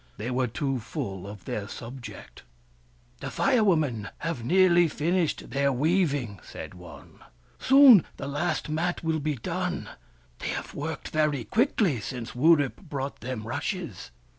They were too full of their subject. " The Fire Women have nearly finished their weaving," said one. " Soon the last mat will be done. They have worked very quickly since Wurip brought them rushes."